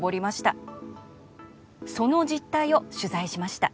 その実態を取材しました。